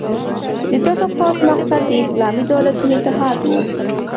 د دغه پوځ مقصد د اسلامي دولتونو اتحاد وو.